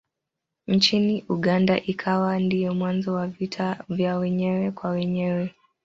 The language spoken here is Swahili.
Nchini Uganda ikawa ndiyo mwanzo wa vita vya wenyewe kwa wenyewe.